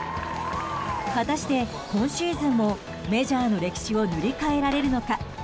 果たして今シーズンもメジャーの歴史を塗り替えられるのか。